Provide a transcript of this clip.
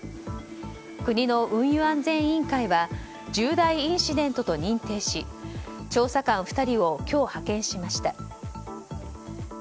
国の運輸安全委員会は重大インシデントと認定し調査官２人を今日、派遣しました。